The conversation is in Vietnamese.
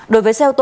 đối với xe ô tô